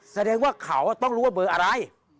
แสดงว่าเขาต้องรู้ว่าเบอร์อะไร